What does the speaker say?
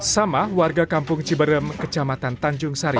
sama warga kampung ciberem kecamatan tanjung sari